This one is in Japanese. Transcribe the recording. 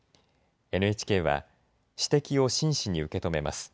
ＮＨＫは指摘を真摯に受け止めます。